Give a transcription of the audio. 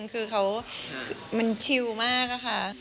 คือเค้ามันชิวมากค่ะ